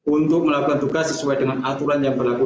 untuk melakukan tugas sesuai dengan aturan yang berlaku